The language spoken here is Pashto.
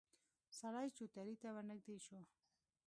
سړی چوترې ته ورنږدې شو.